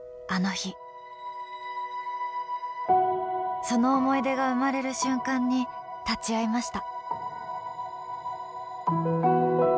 決してその思い出がうまれる瞬間に立ち会いました。